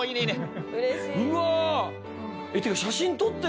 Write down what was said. うわ！